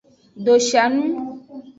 Doshanu.